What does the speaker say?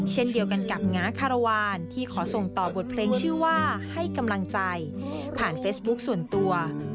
เช่นเดียวกันกับง้าคารวาลที่ขอส่งต่อบทเพลงชื่อว่าให้กำลังใจผ่านเฟซบุ๊คส่วนตัว